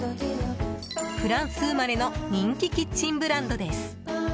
フランス生まれの人気キッチンブランドです。